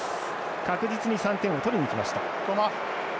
確実に３点を取りにいきました。